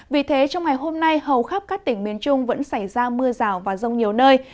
vì thế trong ngày hôm nay hầu khắp các tỉnh miền trung vẫn xảy ra mưa rào và rông nhiều nơi